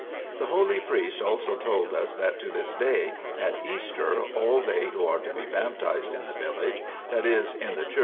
The holy priest also told us that to this day, at Easter, all they who are to be baptized in the village, that is in the church 1 S.